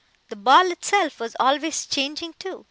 The ball itself was always changing too.